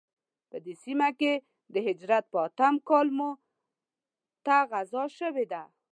په دې سیمه کې د هجرت په اتم کال موته غزا شوې ده.